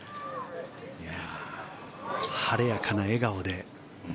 晴れやかな笑顔で。